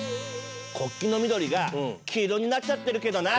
国旗の緑が黄色になっちゃってるけどな。